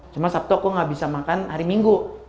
cuma sabtu aku nggak bisa makan hari minggu